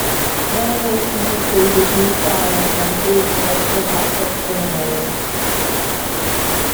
Renovations included new signage and improved pedestrian access to the mall.